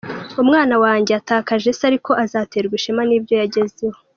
Umwana wanjye atakaje se ariko azaterwa ishema n’ibyo yagezeho.